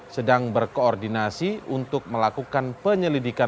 sedang berkoordinasi untuk melakukan penyelidikan